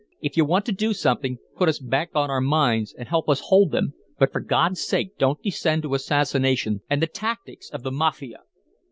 If you want to do something, put us back on our mines and help us hold them, but, for God's sake, don't descend to assassination and the tactics of the Mafia!"